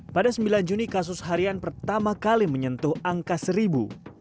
pada sembilan juni kasus harian pertama kali menyentuh angka seribu